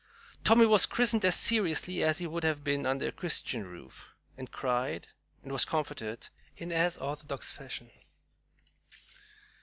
"Tommy" was christened as seriously as he would have been under a Christian roof and cried and was comforted in as orthodox fashion.